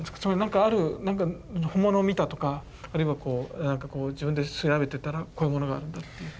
何か本物を見たとかあるいは自分で調べてたらこういうものがあったっていう。